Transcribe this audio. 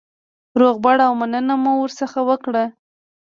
روغبړ او مننه مو ورڅخه وکړه.